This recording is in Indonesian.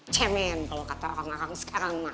cemen kalau kata orang orang sekarang